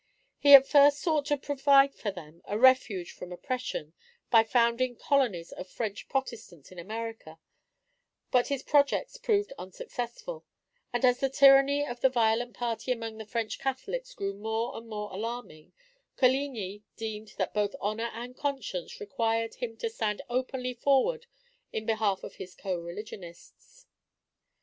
He at first sought to provide for them a refuge from oppression, by founding colonies of French Protestants in America; but his projects proved unsuccessful; and as the tyranny of the violent party among the French Catholics grew more and more alarming, Coligni deemed that both honor and conscience required him to stand openly forward in behalf of his co religionists.